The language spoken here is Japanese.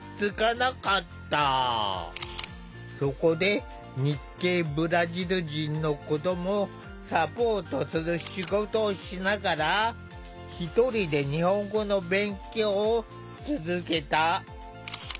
そこで日系ブラジル人の子どもをサポートする仕事をしながら１人で日本語の勉強を続けた。